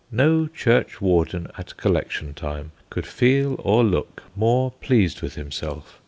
No churchwarden at collection time could feel or look more pleased with himself.